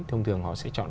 thông thường họ sẽ chọn